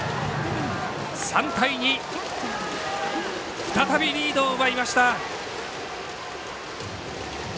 ３対２、再びリードを奪いました。